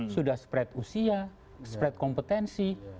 sudah spread usia spread kompetensi